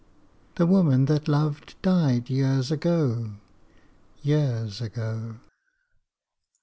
The woman that loved, died years ago, Years ago.